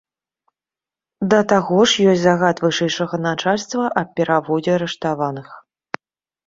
Да таго ж ёсць загад вышэйшага начальства аб пераводзе арыштаваных.